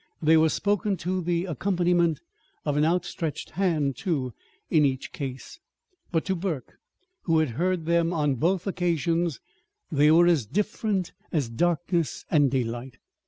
They were spoken to the accompaniment of an outstretched hand, too, in each case. But, to Burke, who had heard them on both occasions, they were as different as darkness and daylight.